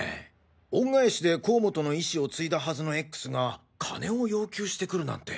恩返しで甲本の遺志をついだはずのＸが金を要求してくるなんて。